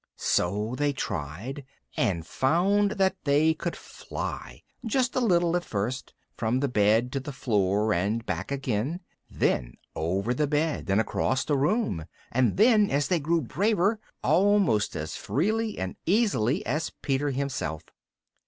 So they tried, and found that they could fly; just a little at first, from the bed to the floor and back again; then over the bed and across the room, and then, as they grew braver, almost as freely and easily as Peter himself.